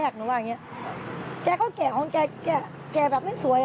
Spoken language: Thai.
ดูมันแกะ